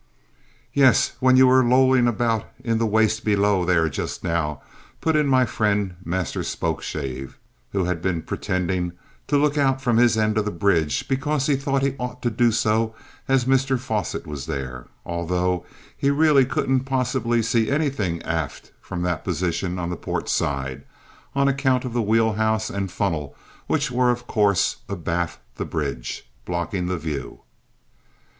"Yes, when you were lolling about in the waist below there, just now," put in my friend, Master Spokeshave, who had been pretending to look out from his end of the bridge because he thought he ought to do so as Mr Fosset was there, although he really couldn't possibly see anything aft from that position on the port side, on account of the wheel house and funnel, which were of course abaft the bridge, blocking the view.